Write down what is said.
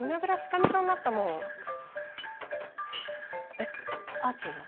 えっあーちんは？